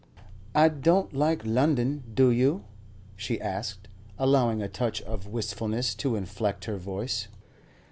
"I don't like London, do you?" she asked, allowing a touch of wistfulness to inflect her voice.